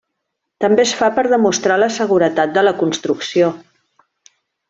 També es fa per demostrar la seguretat de la construcció.